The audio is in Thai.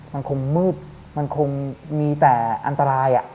มันคงมืดมันคงมีแต่อันตราย